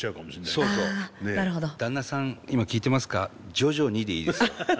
徐々にでいいですよ。